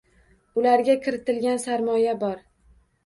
Ularga kiritilgan sarmoya bor.